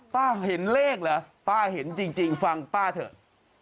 เห็นเลขเหรอป้าเห็นจริงฟังป้าเถอะ